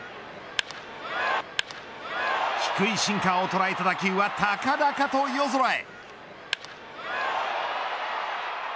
低いシンカーを捉えた打球は高々と夜空へ。